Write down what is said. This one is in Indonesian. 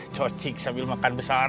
cocik sambil makan besar